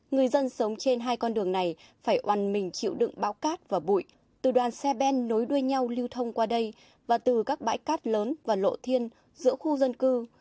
người dân sống trên hai con đường này phải oàn mình chịu đựng bao cát và bụi từ đoàn xe ben nối đuôi nhau lưu thông qua đây và từ các bãi cát lớn và lộ thiên giữa khu dân cư